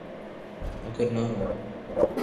اگر نہ ہوں۔